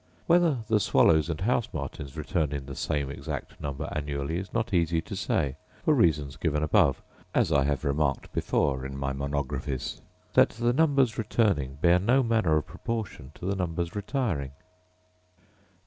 Whether the swallows and house martins return in the same exact number annually is not easy to say, for reasons given above: but it is apparent, as I have remarked before in my Monographies, that the numbers returning bear no manner of proportion to the numbers retiring.